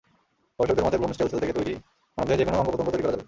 গবেষকদের মতে, ভ্রূণ স্টেম সেল থেকে মানবদেহের যেকোনো অঙ্গপ্রত্যঙ্গ তৈরি করা যাবে।